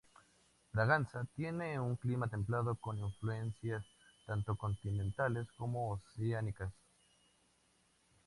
Braganza tiene un clima templado, con influencias tanto continentales como oceánicas.